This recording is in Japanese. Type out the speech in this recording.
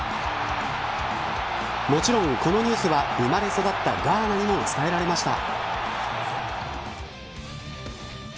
もちろん、このニュースは生まれ育ったガーナにも伝えられました。